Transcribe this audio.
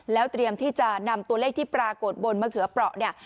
แล้วเตรียมที่จะนำตัวเลขที่ปรากฏบนมะเขือเปราะเนี่ย